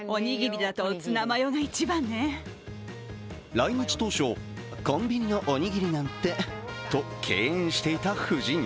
来日当初、コンビニのおにぎりなんてと敬遠していた夫人。